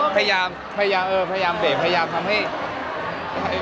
พยายามเบบพยายามทำให้